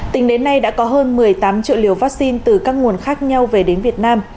tính đến nay đã có hơn một mươi tám triệu liều vaccine từ các nguồn khác nhau về đến việt nam